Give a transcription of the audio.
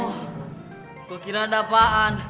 gak kira ada apaan